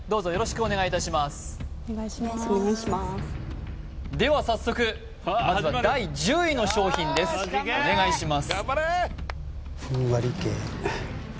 お願いしますでは早速第１０位の商品ですお願いします